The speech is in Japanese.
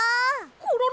コロロ！